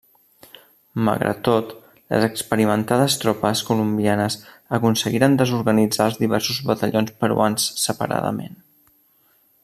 Malgrat tot, les experimentades tropes colombianes aconseguiren desorganitzar els diversos batallons peruans separadament.